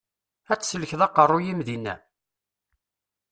Ad tsellkeḍ aqeṛṛu-yim dinna?